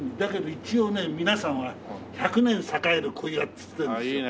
一応ね皆さんは「１００年栄える小岩」って言ってるんですよ。